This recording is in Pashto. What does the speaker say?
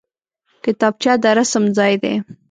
کتابچه د رسم ځای دی